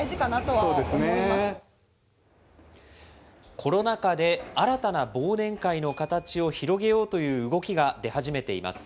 コロナ禍で新たな忘年会の形を広げようという動きが出始めています。